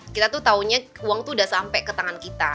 kita tuh taunya uang itu udah sampai ke tangan kita